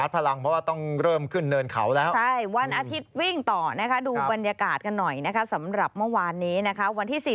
เพราะว่าต้องเริ่มขึ้นเนินเขาแล้ว